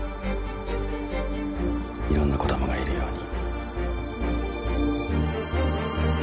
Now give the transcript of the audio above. いろんな子供がいるように。